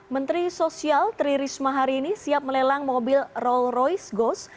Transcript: menteri sosial tri risma hari ini siap melelang mobil roll royce ghost